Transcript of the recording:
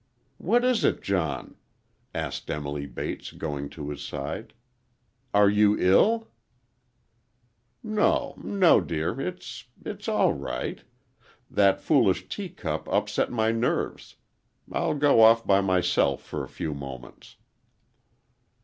"What is it, John?" asked Emily Bates, going to his side. "Are you ill?" "No,—no, dear; it's—it's all right. That foolish teacup upset my nerves. I'll go off by myself for a few moments."